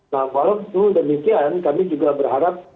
nah walaupun demikian kami juga berharap